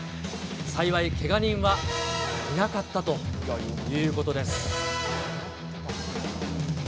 幸い、けが人はいなかったということです。